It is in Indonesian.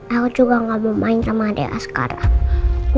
aku juga gak mau main sama adek adek sekarang